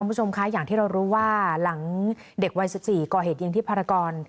คุณผู้ชมคะอย่างที่เรารู้ว่าหลังเด็กวัย๑๔ก่อเหตุยิงที่ภารกร